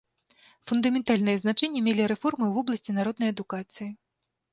Фундаментальнае значэнне мелі рэформы ў вобласці народнай адукацыі.